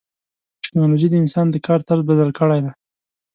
ټکنالوجي د انسان د کار طرز بدل کړی دی.